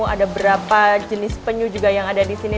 ada berapa jenis penyu juga yang ada di sini